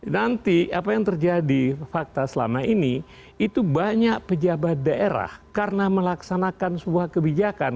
nanti apa yang terjadi fakta selama ini itu banyak pejabat daerah karena melaksanakan sebuah kebijakan